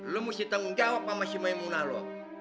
lo mesti tanggung jawab sama si maimunah lo